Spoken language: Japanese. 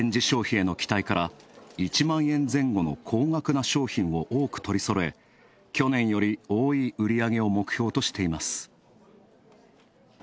消費への期待から１万円前後の高額な商品を多く取りそろえ、去年より多い売り上げを目標としています。